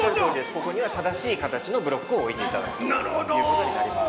ここには、正しい形のブロックを置いてということになります。